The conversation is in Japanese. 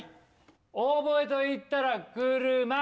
オーボエと言ったらくるま。